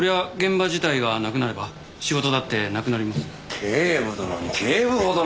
警部殿に警部補殿。